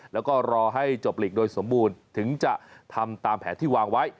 แล้วก็รอให้จบหลีกโดยสมบูรณ์ถึงจะทำตามแผนที่วางไว้